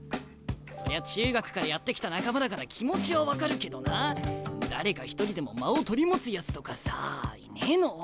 そりゃ中学からやってきた仲間だから気持ちは分かるけどな誰か一人でも間を取り持つやつとかさあいねえの？